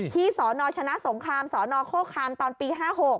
ที่สชนะสงครามสโฆคาร์มตอนปี๕๖